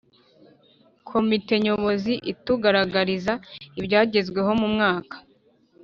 Komite nyobozi itugaragariza ibyagezweho mu mwaka